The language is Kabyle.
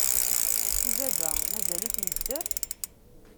I baba? Mazal-it idder?